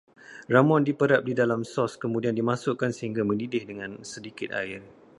Ramuan diperap di dalam sos, kemudian dimasukkan sehingga mendidih dengan sedikit air